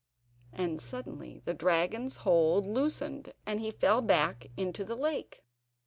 And suddenly the dragon's hold loosened, and he fell back into the lake.